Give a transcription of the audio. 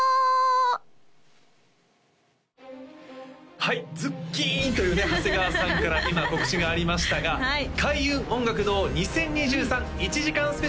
はいズッキーン！というね長谷川さんから今告知がありましたが開運音楽堂２０２３１時間ＳＰ！！